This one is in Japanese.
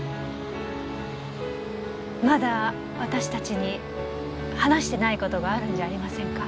まだ私たちに話してない事があるんじゃありませんか？